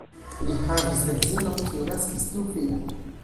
Li havis edzinon, kiu naskis du filojn.